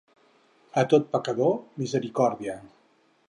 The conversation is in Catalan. A tot pecador, misericòrdia.